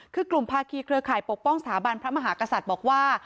คือกลุ่มภาคีเครือข่ายปกป้องสถาบันพระมหากษัตริย์บอกว่า